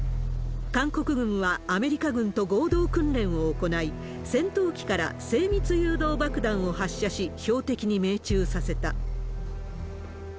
韓国軍はアメリカ軍と合同訓練を行い、戦闘機から精密誘導爆弾を発射し、標的に命中させた。